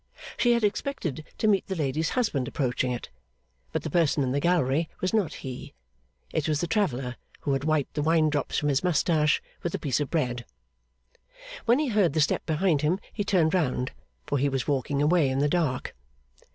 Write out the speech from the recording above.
She had expected to meet the lady's husband approaching it; but the person in the gallery was not he: it was the traveller who had wiped the wine drops from his moustache with the piece of bread. When he heard the step behind him, he turned round for he was walking away in the dark.